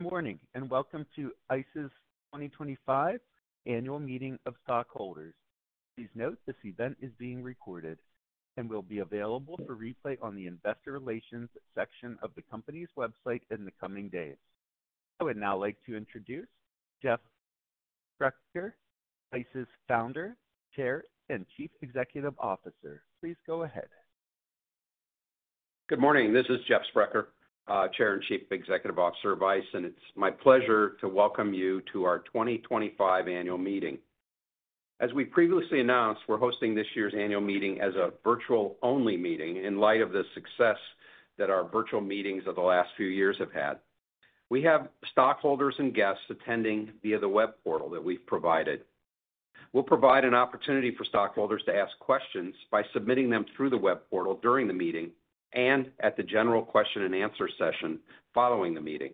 Good morning and welcome to ICE's 2025 Annual Meeting of Stockholders. Please note this event is being recorded and will be available for replay on the Investor Relations section of the company's website in the coming days. I would now like to introduce Jeff Sprecher, ICE's founder, chair, and chief executive officer. Please go ahead. Good morning. This is Jeff Sprecher, Chair and Chief Executive Officer of ICE, and it's my pleasure to welcome you to our 2025 Annual Meeting. As we previously announced, we're hosting this year's Annual Meeting as a virtual-only meeting in light of the success that our virtual meetings of the last few years have had. We have stockholders and guests attending via the web portal that we've provided. We'll provide an opportunity for stockholders to ask questions by submitting them through the web portal during the meeting and at the general question-and-answer session following the meeting.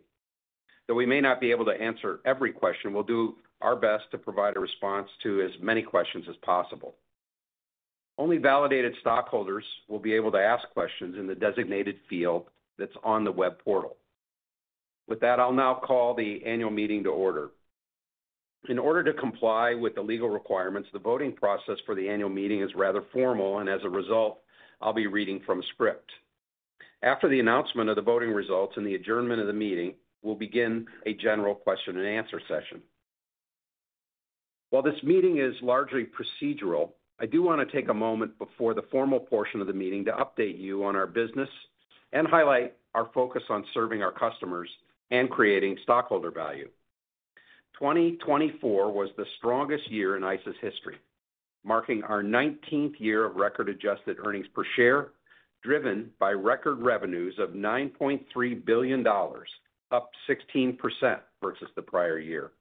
Though we may not be able to answer every question, we'll do our best to provide a response to as many questions as possible. Only validated stockholders will be able to ask questions in the designated field that's on the web portal. With that, I'll now call the Annual Meeting to order. In order to comply with the legal requirements, the voting process for the Annual Meeting is rather formal, and as a result, I'll be reading from a script. After the announcement of the voting results and the adjournment of the meeting, we'll begin a general question-and-answer session. While this meeting is largely procedural, I do want to take a moment before the formal portion of the meeting to update you on our business and highlight our focus on serving our customers and creating stockholder value. 2024 was the strongest year in ICE's history, marking our 19th year of record-adjusted earnings per share, driven by record revenues of $9.3 billion, up 16% versus the prior year.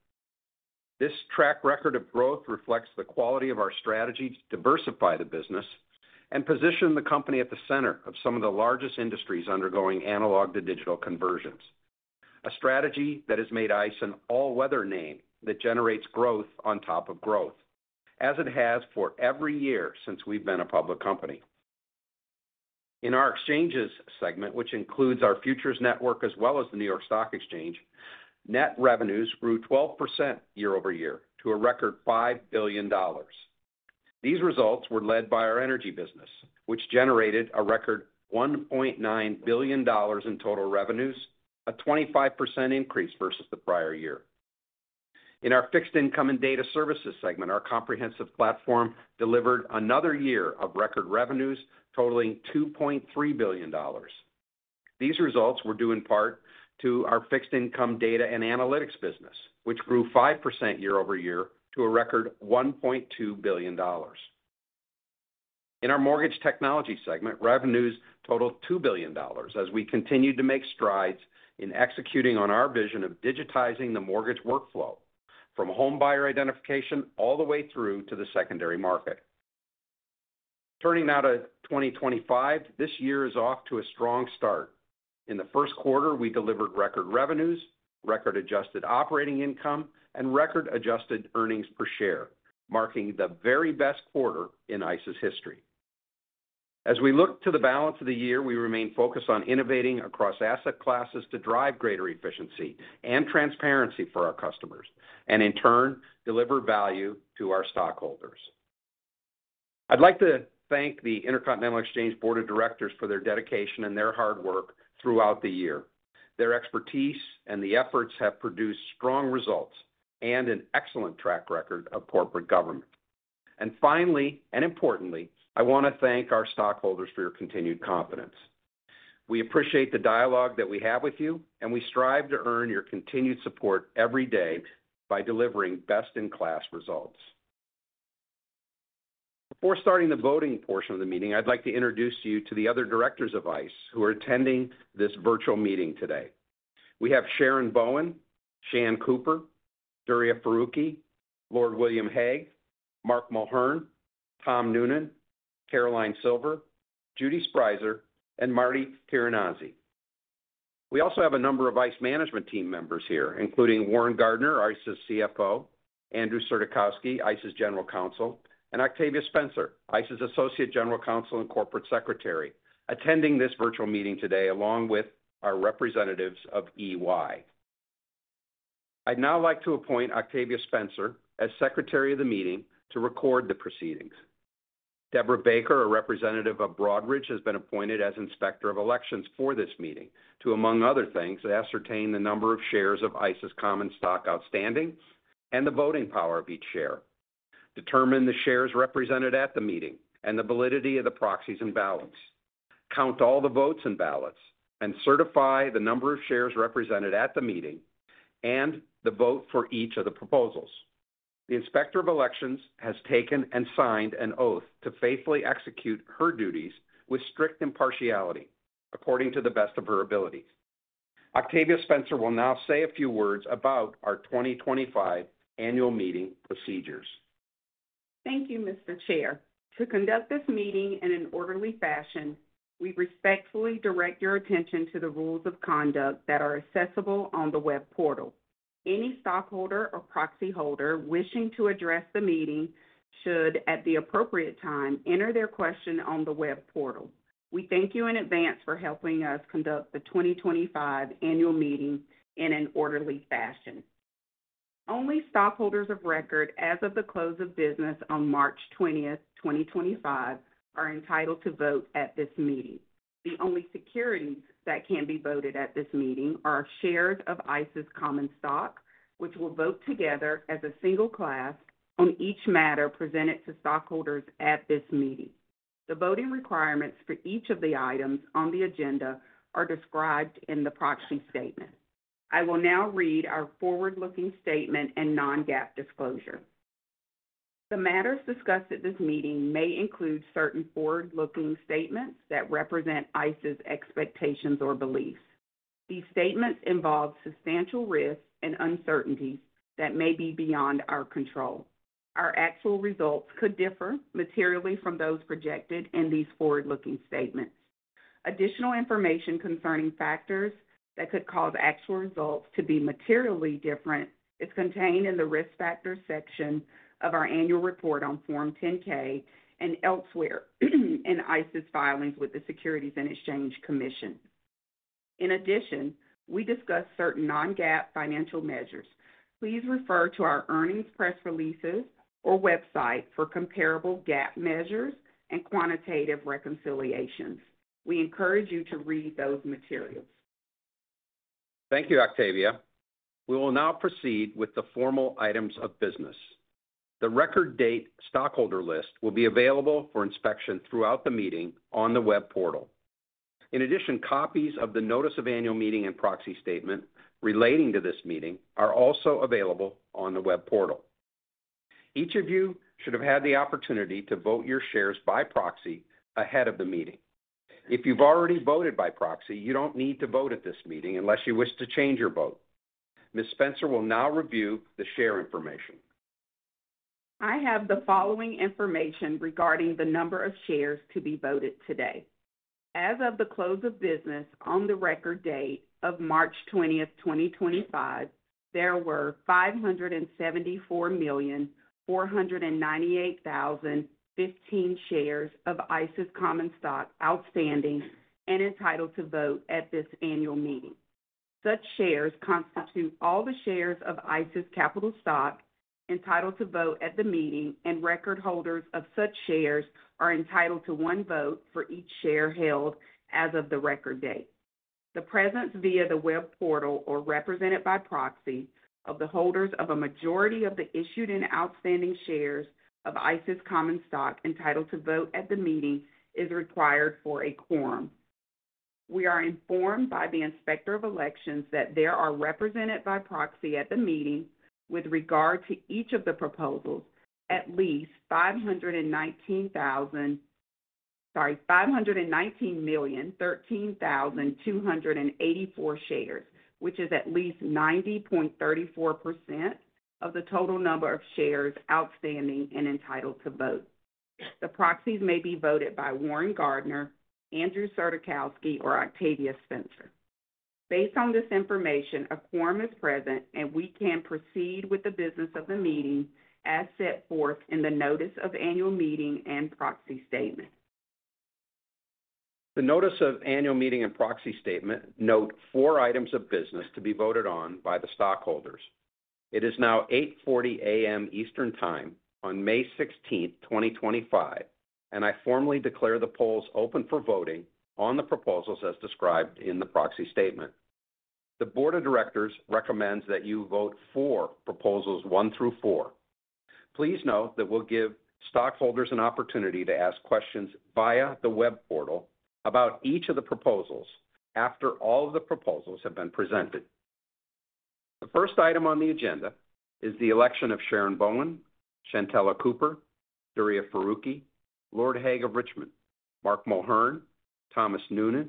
This track record of growth reflects the quality of our strategy to diversify the business and position the company at the center of some of the largest industries undergoing analog-to-digital conversions, a strategy that has made ICE an all-weather name that generates growth on top of growth, as it has for every year since we've been a public company. In our exchanges segment, which includes our futures network as well as the New York Stock Exchange, net revenues grew 12% year over year to a record $5 billion. These results were led by our energy business, which generated a record $1.9 billion in total revenues, a 25% increase versus the prior year. In our fixed income and data services segment, our comprehensive platform delivered another year of record revenues totaling $2.3 billion. These results were due in part to our fixed income data and analytics business, which grew 5% year over year to a record $1.2 billion. In our mortgage technology segment, revenues totaled $2 billion as we continued to make strides in executing on our vision of digitizing the mortgage workflow from home buyer identification all the way through to the secondary market. Turning now to 2025, this year is off to a strong start. In the first quarter, we delivered record revenues, record-adjusted operating income, and record-adjusted earnings per share, marking the very best quarter in ICE's history. As we look to the balance of the year, we remain focused on innovating across asset classes to drive greater efficiency and transparency for our customers and, in turn, deliver value to our stockholders. I'd like to thank the Intercontinental Exchange Board of Directors for their dedication and their hard work throughout the year. Their expertise and their efforts have produced strong results and an excellent track record of corporate governance. Finally, and importantly, I want to thank our stockholders for your continued confidence. We appreciate the dialogue that we have with you, and we strive to earn your continued support every day by delivering best-in-class results. Before starting the voting portion of the meeting, I'd like to introduce you to the other directors of ICE who are attending this virtual meeting today. We have Sharon Bowen, Shannon Cooper, Duriya Faruki, Lord Haig of Richmond, Mark Mulhern, Thomas Noonan, Caroline Silver, Judith Sprieser, and Martha Tirone. We also have a number of ICE management team members here, including Warren Gardiner, ICE's CFO, Andrew Surdykowski, ICE's general counsel, and Octavia Spencer, ICE's associate general counsel and corporate secretary attending this virtual meeting today along with our representatives of EY. I'd now like to appoint Octavia Spencer as secretary of the meeting to record the proceedings. Deborah Bussière, a representative of Broadridge, has been appointed as inspector of elections for this meeting to, among other things, ascertain the number of shares of ICE's common stock outstanding and the voting power of each share, determine the shares represented at the meeting and the validity of the proxies and ballots, count all the votes and ballots, and certify the number of shares represented at the meeting and the vote for each of the proposals. The inspector of elections has taken and signed an oath to faithfully execute her duties with strict impartiality according to the best of her abilities. Octavia Spencer will now say a few words about our 2025 Annual Meeting procedures. Thank you, Mr. Chair. To conduct this meeting in an orderly fashion, we respectfully direct your attention to the rules of conduct that are accessible on the web portal. Any stockholder or proxy holder wishing to address the meeting should, at the appropriate time, enter their question on the web portal. We thank you in advance for helping us conduct the 2025 Annual Meeting in an orderly fashion. Only stockholders of record as of the close of business on March 20, 2025, are entitled to vote at this meeting. The only securities that can be voted at this meeting are shares of ICE's common stock, which will vote together as a single class on each matter presented to stockholders at this meeting. The voting requirements for each of the items on the agenda are described in the proxy statement. I will now read our forward-looking statement and non-GAAP disclosure. The matters discussed at this meeting may include certain forward-looking statements that represent ICE's expectations or beliefs. These statements involve substantial risks and uncertainties that may be beyond our control. Our actual results could differ materially from those projected in these forward-looking statements. Additional information concerning factors that could cause actual results to be materially different is contained in the risk factors section of our annual report on Form 10-K and elsewhere in ICE's filings with the Securities and Exchange Commission. In addition, we discuss certain non-GAAP financial measures. Please refer to our earnings press releases or website for comparable GAAP measures and quantitative reconciliations. We encourage you to read those materials. Thank you, Octavia. We will now proceed with the formal items of business. The record-date stockholder list will be available for inspection throughout the meeting on the web portal. In addition, copies of the notice of annual meeting and proxy statement relating to this meeting are also available on the web portal. Each of you should have had the opportunity to vote your shares by proxy ahead of the meeting. If you've already voted by proxy, you don't need to vote at this meeting unless you wish to change your vote. Ms. Spencer will now review the share information. I have the following information regarding the number of shares to be voted today. As of the close of business on the record date of March 20, 2025, there were 574,498,015 shares of ICE's common stock outstanding and entitled to vote at this annual meeting. Such shares constitute all the shares of ICE's capital stock entitled to vote at the meeting, and record holders of such shares are entitled to one vote for each share held as of the record date. The presence via the web portal or represented by proxy of the holders of a majority of the issued and outstanding shares of ICE's common stock entitled to vote at the meeting is required for a Quorum. We are informed by the inspector of elections that there are represented by proxy at the meeting with regard to each of the proposals at least 519,013,284 shares, which is at least 90.34% of the total number of shares outstanding and entitled to vote. The proxies may be voted by Warren Gardiner, Andrew Surdykowski, or Octavia Spencer. Based on this information, a quorum is present, and we can proceed with the business of the meeting as set forth in the notice of annual meeting and proxy statement. The notice of annual meeting and proxy statement note four items of business to be voted on by the stockholders. It is now 8:40 A.M. Eastern Time on May 16, 2025, and I formally declare the polls open for voting on the proposals as described in the proxy statement. The board of directors recommends that you vote for proposals one through four. Please note that we'll give stockholders an opportunity to ask questions via the web portal about each of the proposals after all of the proposals have been presented. The first item on the agenda is the election of Sharon Bowen, Shannon Cooper, Duriya Faruki, Lord Haig of Richmond, Mark Mulhern, Thomas Noonan,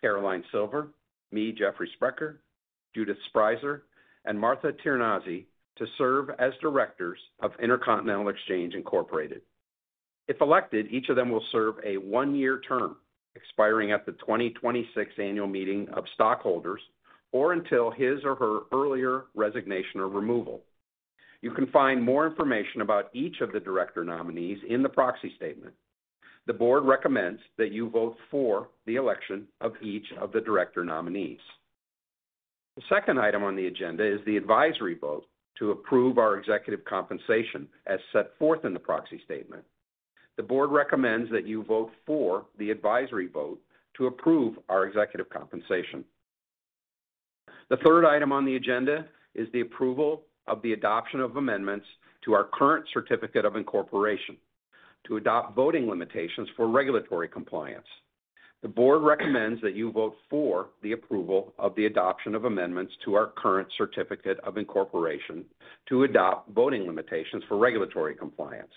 Caroline Silver, me, Jeff Sprecher, Judith Sprieser, and Martha Tirone to serve as directors of Intercontinental Exchange. If elected, each of them will serve a one-year term expiring at the 2026 Annual Meeting of Stockholders or until his or her earlier resignation or removal. You can find more information about each of the director nominees in the proxy statement. The board recommends that you vote for the election of each of the director nominees. The second item on the agenda is the advisory vote to approve our executive compensation as set forth in the proxy statement. The board recommends that you vote for the advisory vote to approve our executive compensation. The third item on the agenda is the approval of the adoption of amendments to our current certificate of incorporation to adopt voting limitations for regulatory compliance. The board recommends that you vote for the approval of the adoption of amendments to our current certificate of incorporation to adopt voting limitations for regulatory compliance.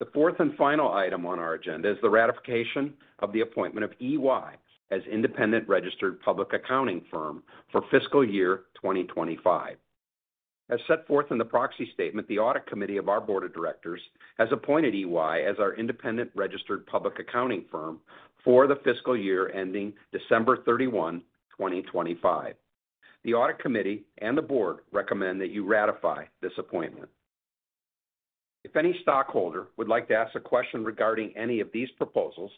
The fourth and final item on our agenda is the ratification of the appointment of EY as independent registered public accounting firm for fiscal year 2025. As set forth in the proxy statement, the audit committee of our board of directors has appointed EY as our independent registered public accounting firm for the fiscal year ending December 31, 2025. The audit committee and the board recommend that you ratify this appointment. If any stockholder would like to ask a question regarding any of these proposals,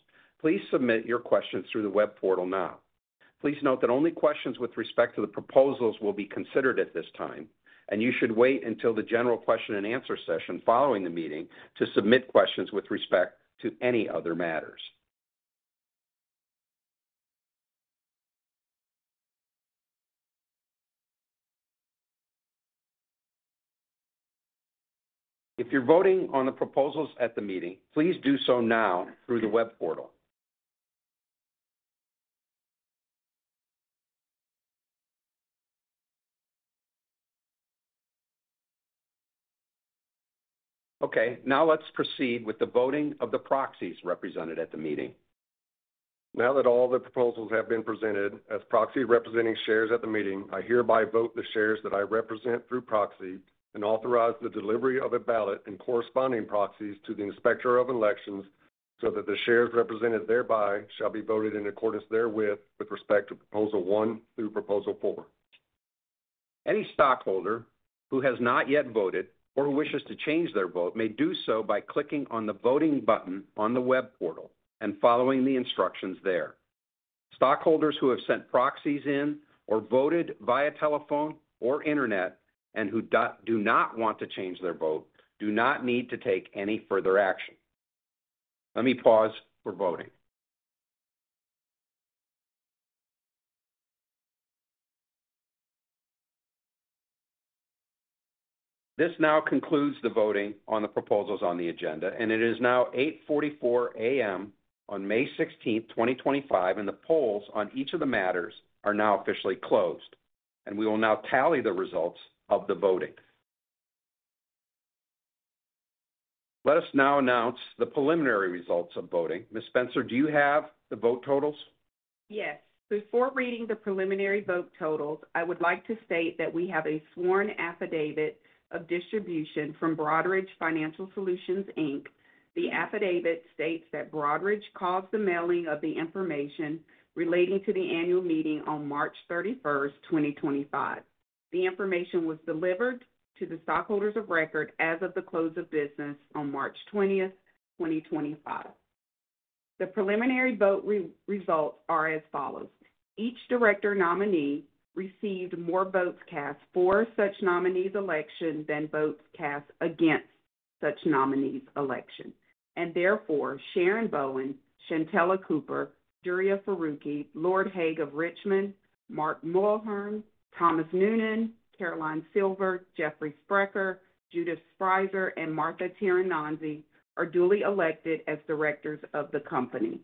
please submit your questions through the web portal now. Please note that only questions with respect to the proposals will be considered at this time, and you should wait until the general question and answer session following the meeting to submit questions with respect to any other matters. If you're voting on the proposals at the meeting, please do so now through the web portal. Okay. Now let's proceed with the voting of the proxies represented at the meeting. Now that all the proposals have been presented as proxy representing shares at the meeting, I hereby vote the shares that I represent through proxy and authorize the delivery of a ballot and corresponding proxies to the inspector of elections so that the shares represented thereby shall be voted in accordance therewith with respect to proposal one through proposal four. Any stockholder who has not yet voted or wishes to change their vote may do so by clicking on the voting button on the web portal and following the instructions there. Stockholders who have sent proxies in or voted via telephone or internet and who do not want to change their vote do not need to take any further action. Let me pause for voting. This now concludes the voting on the proposals on the agenda, and it is now 8:44 A.M. on May 16, 2025, and the polls on each of the matters are now officially closed, and we will now tally the results of the voting. Let us now announce the preliminary results of voting. Ms. Spencer, do you have the vote totals? Yes. Before reading the preliminary vote totals, I would like to state that we have a sworn affidavit of distribution from Broadridge Financial Solutions. The affidavit states that Broadridge caused the mailing of the information relating to the annual meeting on March 31, 2025. The information was delivered to the stockholders of record as of the close of business on March 20, 2025. The preliminary vote results are as follows. Each director nominee received more votes cast for such nominees' election than votes cast against such nominees' election. Therefore, Sharon Bowen, Shannon Cooper, Duriya Faruki, Lord Haig of Richmond, Mark Mulhern, Thomas Noonan, Caroline Silver, Jeff Sprecher, Judith Sprieser, and Martha Tirone are duly elected as directors of the company.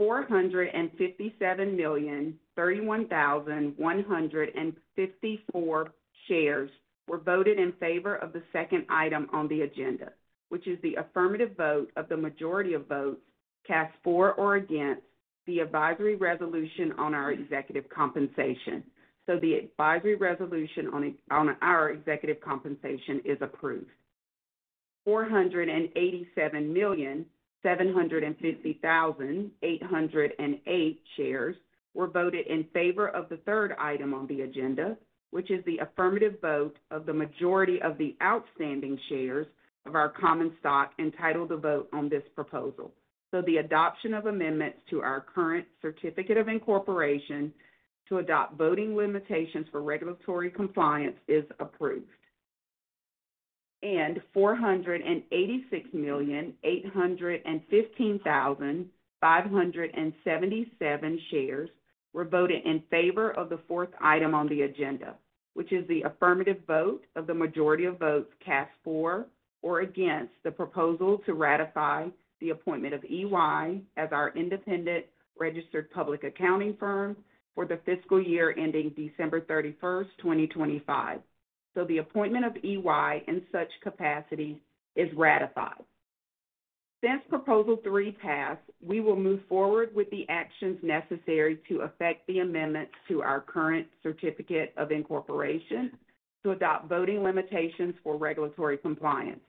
457,031,154 shares were voted in favor of the second item on the agenda, which is the affirmative vote of the majority of votes cast for or against the advisory resolution on our executive compensation. The advisory resolution on our executive compensation is approved. 487,750,808 shares were voted in favor of the third item on the agenda, which is the affirmative vote of the majority of the outstanding shares of our common stock entitled to vote on this proposal. The adoption of amendments to our current certificate of incorporation to adopt voting limitations for regulatory compliance is approved. 486,815,577 shares were voted in favor of the fourth item on the agenda, which is the affirmative vote of the majority of votes cast for or against the proposal to ratify the appointment of EY as our independent registered public accounting firm for the fiscal year ending December 31, 2025. The appointment of EY in such capacity is ratified. Since proposal three passed, we will move forward with the actions necessary to affect the amendments to our current certificate of incorporation to adopt voting limitations for regulatory compliance.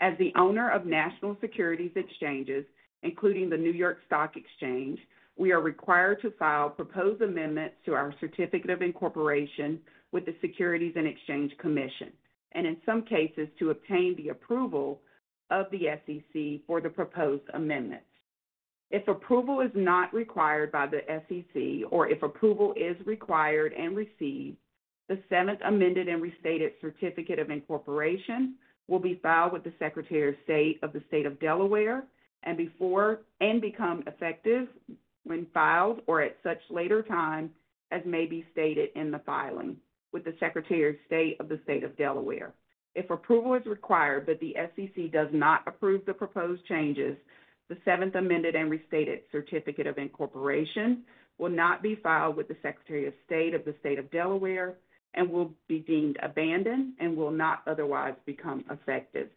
As the owner of National Securities Exchanges, including the New York Stock Exchange, we are required to file proposed amendments to our certificate of incorporation with the Securities and Exchange Commission, and in some cases, to obtain the approval of the SEC for the proposed amendments. If approval is not required by the SEC, or if approval is required and received, the seventh amended and restated certificate of incorporation will be filed with the Secretary of State of the State of Delaware and become effective when filed or at such later time as may be stated in the filing with the Secretary of State of the State of Delaware. If approval is required, but the SEC does not approve the proposed changes, the seventh amended and restated certificate of incorporation will not be filed with the Secretary of State of the State of Delaware and will be deemed abandoned and will not otherwise become effective.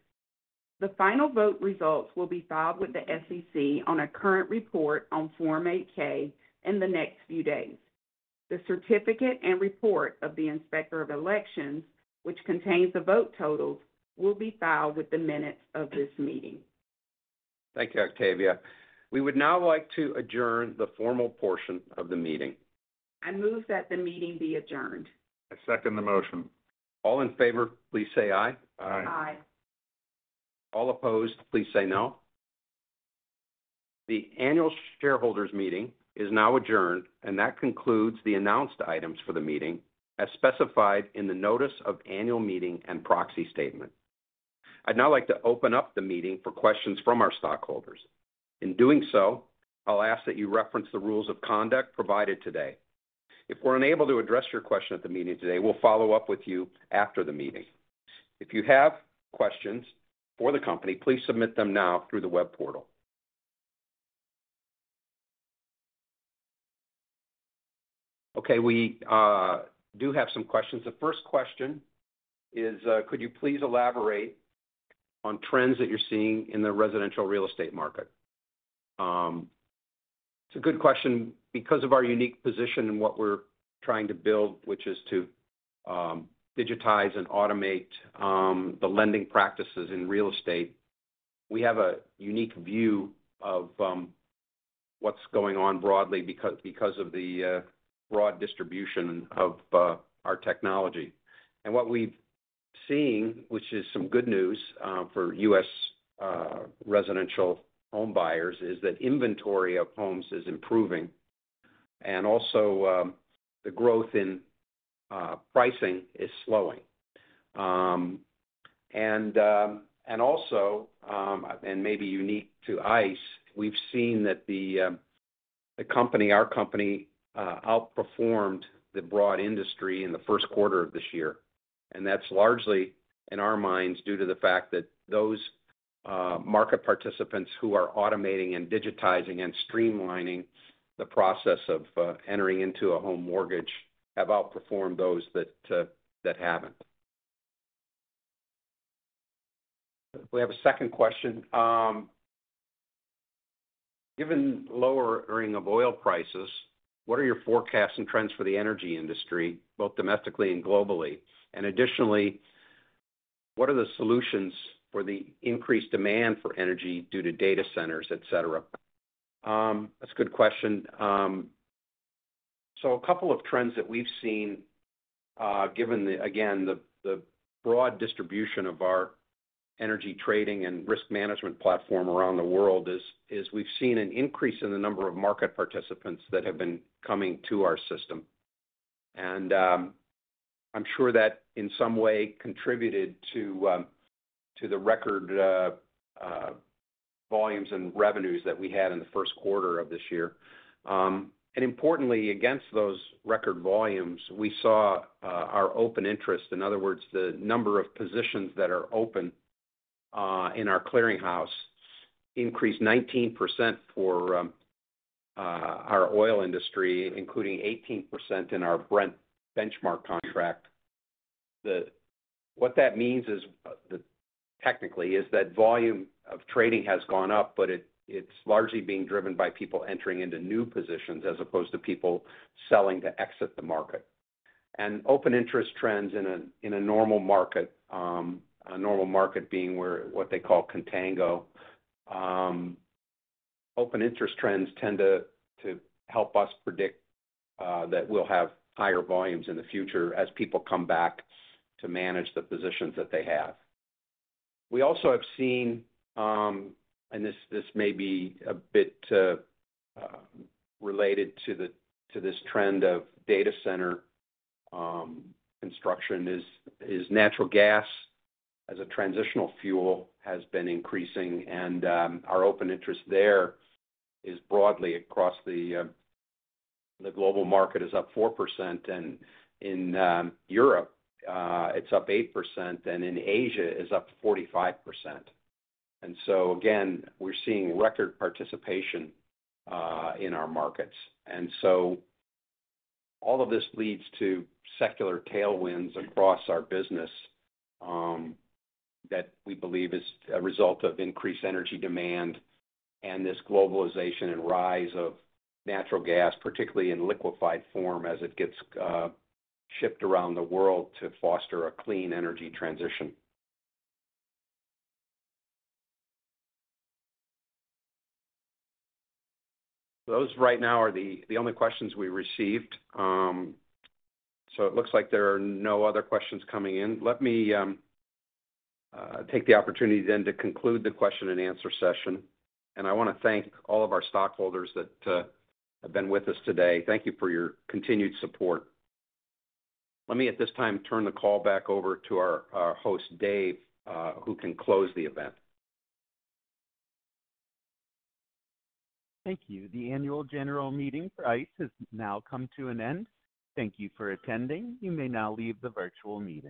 The final vote results will be filed with the SEC on a current report on Form 8-K in the next few days. The certificate and report of the inspector of elections, which contains the vote totals, will be filed with the minutes of this meeting. Thank you, Octavia. We would now like to adjourn the formal portion of the meeting. I move that the meeting be adjourned. I second the motion. All in favor, please say Hi. Hi. Hi. All opposed, please say no. The annual shareholders' meeting is now adjourned, and that concludes the announced items for the meeting as specified in the notice of annual meeting and proxy statement. I'd now like to open up the meeting for questions from our stockholders. In doing so, I'll ask that you reference the rules of conduct provided today. If we're unable to address your question at the meeting today, we'll follow up with you after the meeting. If you have questions for the company, please submit them now through the web portal. Okay. We do have some questions. The first question is, could you please elaborate on trends that you're seeing in the residential real estate market? It's a good question. Because of our unique position and what we're trying to build, which is to digitize and automate the lending practices in real estate, we have a unique view of what's going on broadly because of the broad distribution of our technology. What we've seen, which is some good news for U.S. residential home buyers, is that inventory of homes is improving, and also the growth in pricing is slowing. Also, and maybe unique to ICE, we've seen that our company outperformed the broad industry in the first quarter of this year. That's largely, in our minds, due to the fact that those market participants who are automating and digitizing and streamlining the process of entering into a home mortgage have outperformed those that haven't. We have a second question. Given lowering of oil prices, what are your forecasts and trends for the energy industry, both domestically and globally? Additionally, what are the solutions for the increased demand for energy due to data centers, etc.? That's a good question. A couple of trends that we've seen, given, again, the broad distribution of our energy trading and risk management platform around the world, is we've seen an increase in the number of market participants that have been coming to our system. I'm sure that in some way contributed to the record volumes and revenues that we had in the first quarter of this year. Importantly, against those record volumes, we saw our open interest, in other words, the number of positions that are open in our clearinghouse, increased 19% for our oil industry, including 18% in our Brent benchmark contract. What that means is, technically, is that volume of trading has gone up, but it's largely being driven by people entering into new positions as opposed to people selling to exit the market. Open interest trends in a normal market, a normal market being what they call contango, open interest trends tend to help us predict that we'll have higher volumes in the future as people come back to manage the positions that they have. We also have seen, and this may be a bit related to this trend of data center construction, is natural gas as a transitional fuel has been increasing. Our open interest there is broadly across the global market, is up 4%. In Europe, it's up 8%. In Asia, it's up 45%. Again, we're seeing record participation in our markets. All of this leads to secular tailwinds across our business that we believe is a result of increased energy demand and this globalization and rise of natural gas, particularly in liquefied form, as it gets shipped around the world to foster a clean energy transition. Those right now are the only questions we received. It looks like there are no other questions coming in. Let me take the opportunity then to conclude the question and answer session. I want to thank all of our stockholders that have been with us today. Thank you for your continued support. Let me, at this time, turn the call back over to our host, Dave, who can close the event. Thank you. The annual general meeting for ICE has now come to an end. Thank you for attending. You may now leave the virtual meeting.